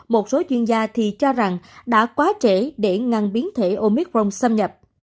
một số chuyên gia thì cho rằng đã quá trẻ để ngăn biến thể omicron xâm nhập